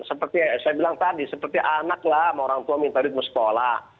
seperti saya bilang tadi seperti anak lah sama orang tua minta ditmu sekolah